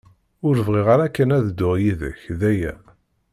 Ur bɣiɣ ara kan ad dduɣ yid-k, d aya.